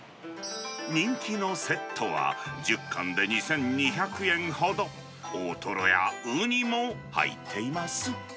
人気のセットは、１０貫で２２００円ほど、大トロやウニも入っています。